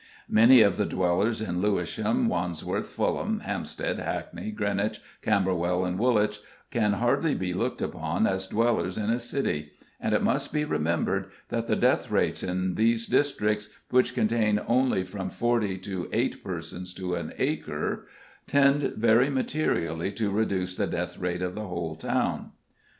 Many of the dwellers in Lewisham, Wandsworth, Fulham, Hampstead, Hackney, Greenwich, Camberwell, and Woolwich, can hardly be looked upon as dwellers in a city, and it must be remembered that the death rates in these districts, which contain only from 40 to 8 persons to an acre, tend very materially to reduce the death rate of the whole town.